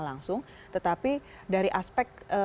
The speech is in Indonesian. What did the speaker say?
langsung tetapi dari aspek